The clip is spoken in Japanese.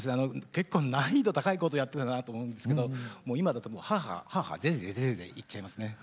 結構、難易度が高いことをやっていたなと思うんですけれども今だと、はあはあ、ぜえぜえ言っちゃいますね。